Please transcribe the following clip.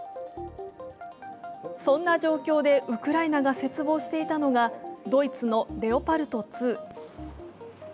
そんな状況でウクライナが切望していたのが、ドイツのレオパルト２。